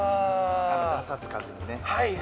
ぱさつかずにね。